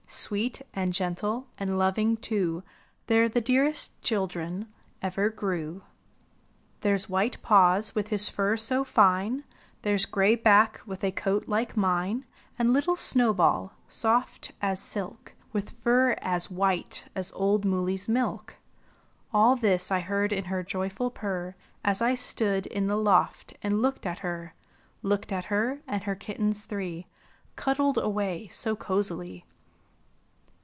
Sweet, and gentle, and loving, too, TheyTe the dearest children ever grew! 38 PUSSIES. ^^There's White paws with his fur so fine; There^s Gray back with a coat like mine; And little Snow ball, soft as silk, With fur as white as old Moolly's milk/^ All this I heard in her joyful purr. As I stood in the loft and looked at her; Looked at her and her kittens three Cuddled away so cozily.